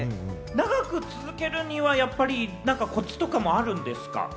長く続けるにはコツとかもあるんですか？